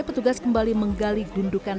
petugas kembali menggali gundukan